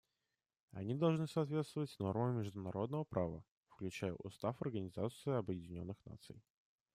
Они должны соответствовать нормам международного права, включая Устав Организации Объединенных Наций.